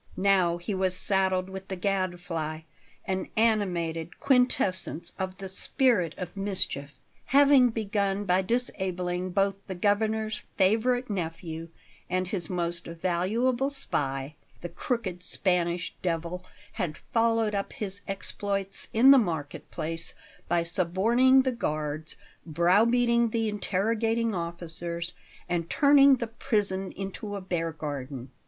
Now he was saddled with the Gadfly, an animated quintessence of the spirit of mischief. Having begun by disabling both the Governor's favourite nephew and his most valuable spy, the "crooked Spanish devil" had followed up his exploits in the market place by suborning the guards, browbeating the interrogating officers, and "turning the prison into a bear garden."